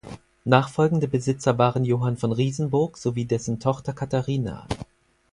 Nachfolgende Besitzer waren Johann von Riesenburg sowie dessen Tochter Katharina.